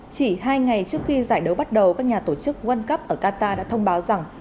chỉ hai ngày trước khi giải đấu bắt đầu các nhà tổ chức world cup ở qatar đã thông báo rằng